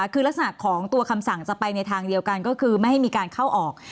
คือลักษณะของตัวคำสั่งจะไปในทางเดียวกันก็คือไม่ให้มีการเข้าออก